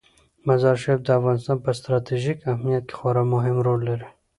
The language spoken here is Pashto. مزارشریف د افغانستان په ستراتیژیک اهمیت کې خورا مهم رول لري.